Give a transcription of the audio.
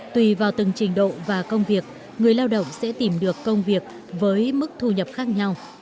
tùy vào từng trình độ và công việc người lao động sẽ tìm được công việc với mức thu nhập khác nhau